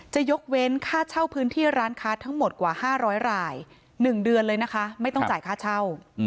จะยกเว้นค่าเช่าพื้นที่ร้านค้าทั้งหมดกว่า๕๐๐ราย๑เดือนเลยนะคะไม่ต้องจ่ายค่าเช่า